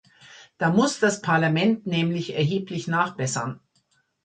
Da muss das Parlament nämlich erheblich nachbessern.